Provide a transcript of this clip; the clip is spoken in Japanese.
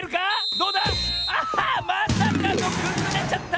どうだ⁉あまさかのくずれちゃった！